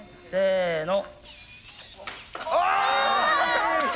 せの。